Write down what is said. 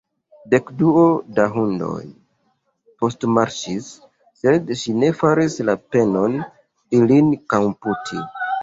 Dekduo da hundoj postmarŝis; sed ŝi ne faris la penon, ilin komputi.